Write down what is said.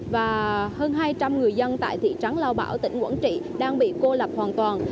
và hơn hai trăm linh người dân tại thị trấn lao bảo tỉnh quảng trị đang bị cô lập hoàn toàn